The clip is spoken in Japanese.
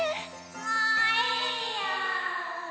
もういいよ。